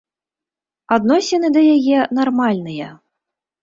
Адносіны да яе нармальныя.